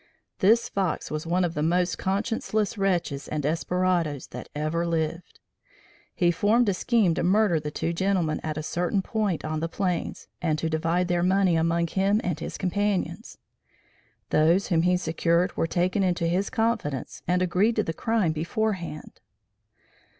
This Fox was one of the most conscienceless wretches and desperadoes that ever lived. He formed a scheme to murder the two gentlemen at a certain point on the plains and to divide their money among him and his companions. Those whom he secured were taken into his confidence and agreed to the crime before hand.